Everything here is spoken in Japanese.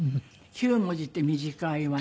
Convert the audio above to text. ９文字って短いわよ。